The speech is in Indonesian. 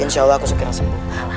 insya allah aku segera sembuh